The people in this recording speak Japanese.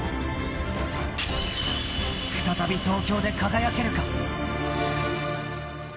再び東京で輝けるか。